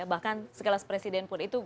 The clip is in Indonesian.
bahkan sekelas presiden pun itu